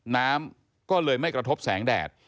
น้ำก็เลยไม่กระทบแสงแดด